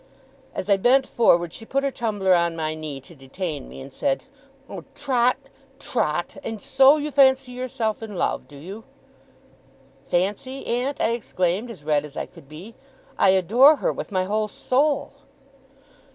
As I bent forward, she put her tumbler on my knee to detain me, and said: 'Oh, Trot, Trot! And so you fancy yourself in love! Do you?' 'Fancy, aunt!' I exclaimed, as red as I could be. 'I adore her with my whole soul!